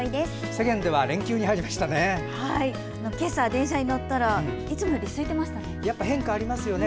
世間では連休に入りましたね。